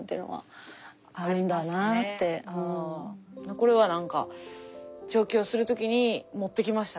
これはなんか上京する時に持ってきましたね。